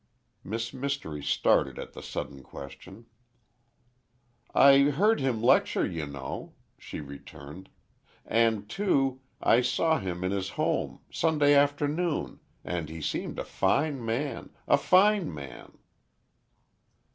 Miss Mystery started at the sudden question. "I heard him lecture, you know," she returned; "and, too, I saw him in his home—Sunday afternoon—and he seemed a fine man—a fine man."